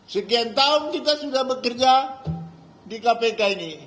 sekian tahun kita sudah bekerja di kpk ini